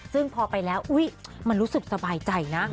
ซึ่งพอไปแล้วอุ๊ยมันรู้สึกสบายใจนะ